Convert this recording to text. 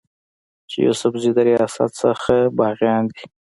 چې يوسفزي د رياست نه باغيان دي